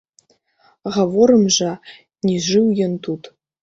Гаворым жа, не жыў ён тут.